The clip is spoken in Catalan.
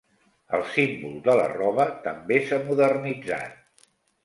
El símbol de l'arrova també s'ha modernitzat.